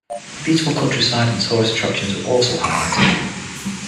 The beautiful countryside and tourist attractions were also highlighted.